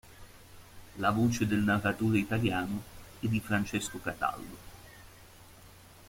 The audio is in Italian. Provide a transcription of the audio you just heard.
La voce del narratore italiano è di Francesco Cataldo.